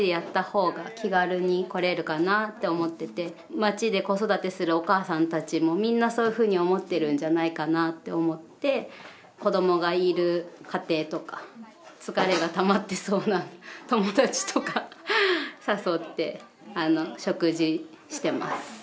町で子育てするお母さんたちもみんなそういうふうに思ってるんじゃないかなって思って子どもがいる家庭とか疲れがたまってそうな友達とか誘って食事してます。